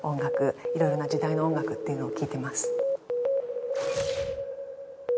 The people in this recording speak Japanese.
色々な時代の音楽っていうのを聴いてます